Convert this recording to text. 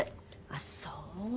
あっそう。